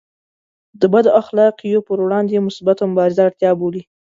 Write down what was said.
د بد اخلاقیو پر وړاندې مثبته مبارزه اړتیا بولي.